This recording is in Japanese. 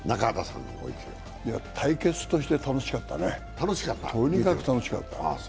対決として楽しかったね、とにかく楽しかった。